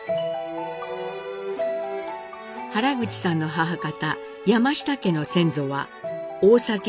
原口さんの母方・山下家の先祖は大崎